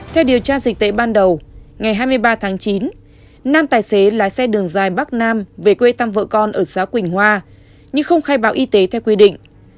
theo điều tra dịch tễ ban đầu ngày hai mươi ba tháng chín nam tài xế lái xe đường dài bắc nam về quê tam vợ con ở xã quỳnh hoa nhưng không khai báo y tế theo quy định